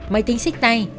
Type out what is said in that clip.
máy tính xích tay